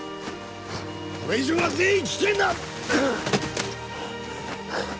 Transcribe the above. これ以上は全員危険だ！